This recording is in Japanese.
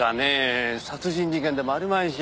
殺人事件でもあるまいし。